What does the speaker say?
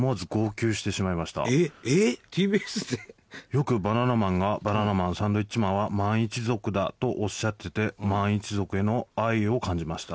「よくバナナマンがバナナマン・サンドウィッチマンは“マン”一族だ！とおっしゃってて“マン”一族への愛を感じました！」。